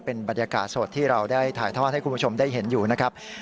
เป็นบรรยากาศสดที่เราได้ถ่ายทอดให้คุณผู้ชมได้เห็นอยู่นะครับ